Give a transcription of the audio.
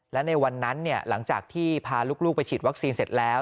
และในวันนั้นหลังจากที่พาลูกไปฉีดวัคซีนเสร็จแล้ว